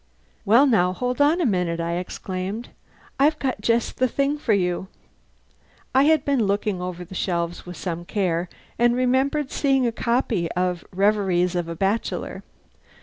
"Well, now, hold on a minute!" I exclaimed. "I've got just the thing for you." I had been looking over the shelves with some care, and remembered seeing a copy of "Reveries of a Bachelor."